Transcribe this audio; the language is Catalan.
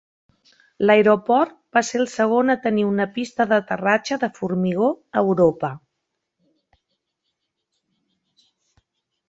L'aeroport va ser el segon a tenir una pista d'aterratge de formigó a Europa.